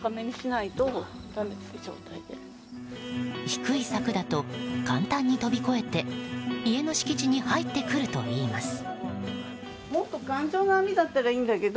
低い柵だと簡単に飛び越えて家の敷地に入ってくるといいます。